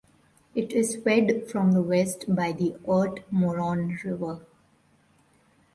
It is fed from the west by the Urt Moron River.